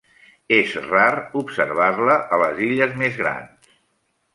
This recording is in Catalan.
És rar observar-la a les illes més grans.